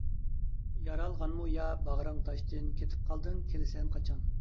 يارالغانمۇ يا، باغرىڭ تاشتىن، كېتىپ قالدىڭ كېلىسەن قاچان؟ !